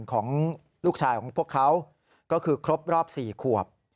ของลูกชายของพวกเขาก็คือครบรอบ๔ขวบ